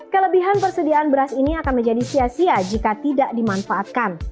kelebihan persediaan beras ini akan menjadi sia sia jika tidak dimanfaatkan